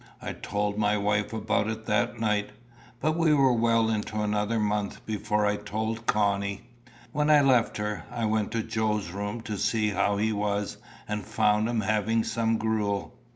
I told my wife about it that night, but we were well into another month before I told Connie. When I left her, I went to Joe's room to see how he was, and found him having some gruel.